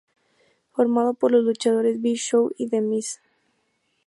Formado por los luchadores Big Show y The Miz.